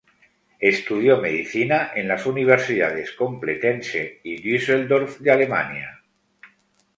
Estudió Medicina en las Universidades Complutense y Düsseldorf de Alemania.